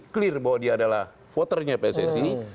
clear bahwa dia adalah voternya pssi